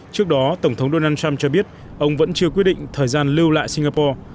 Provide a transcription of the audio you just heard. trước đó tổng thống donald trump cho biết ông vẫn chưa quyết định thời gian lưu lại singapore